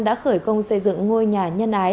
đã khởi công xây dựng ngôi nhà nhân ái